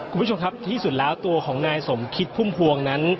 คุณผู้ชมครับที่สุดแล้วตัวของนายสมคิดพุ่มพวงนั้น